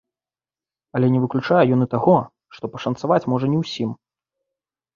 Але не выключае ён і таго, што пашанцаваць можа не ўсім.